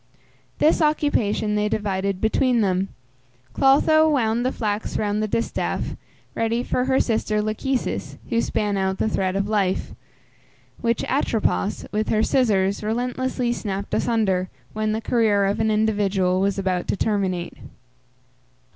This occupation they divided between them. Clotho wound the flax round the distaff, ready for her sister Lachesis, who span out the thread of life, which Atropos, with her scissors, relentlessly snapt asunder, when the career of an individual was about to terminate.